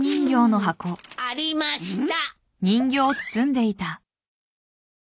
ありました！